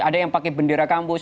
ada yang pakai bendera kampus